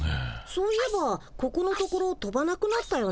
そういえばここのところ飛ばなくなったよね。